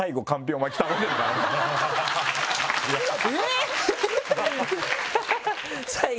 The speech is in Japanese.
えっ！